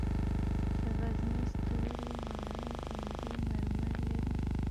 د غزني ستوري ماڼۍ هندي مرمر لري